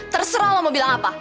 terserah lah mau bilang apa